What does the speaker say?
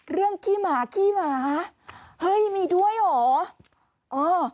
เรื่องขี้หมาขี้หมาเฮ้ยมีด้วยเหรอ